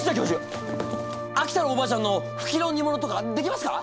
秋田のおばあちゃんのフキのにものとかできますか！？